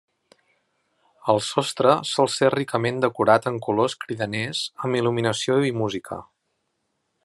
El sostre sol ser ricament decorat en colors cridaners amb il·luminació i música.